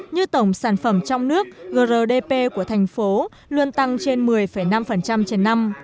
như tổng sản phẩm trong nước grdp của thành phố luôn tăng trên một mươi năm trên năm